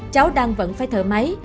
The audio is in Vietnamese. cháu đang vẫn phải thở máy